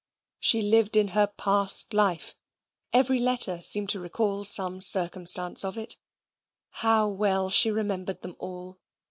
She lived in her past life every letter seemed to recall some circumstance of it. How well she remembered them all!